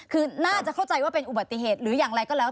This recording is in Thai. คือน่าจะเข้าใจว่าเป็นอุบัติเหตุหรืออย่างไรก็แล้ว